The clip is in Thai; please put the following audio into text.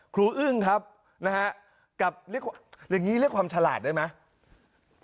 ครูอึ้งครับนะฮะกับเรียกว่าเรียกว่าเรียกว่าเรียกว่าความฉลาดได้ไหม